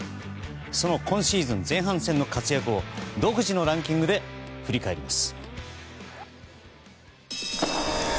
その今シーズン前半戦の活躍を独自のランキングで振り返ります。